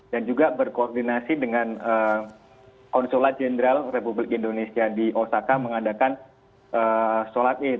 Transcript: dan juga berkoordinasi dengan konsulat jenderal republik indonesia di osaka mengadakan sholat id